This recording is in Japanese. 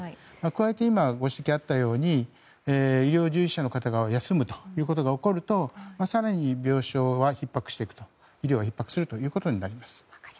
加えて今ご指摘があったように医療従事者の方が休むということが起こると更に病床はひっ迫していくと医療はひっ迫するということになります。